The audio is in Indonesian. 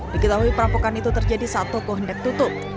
diketahui perampokan itu terjadi saat toko hendak tutup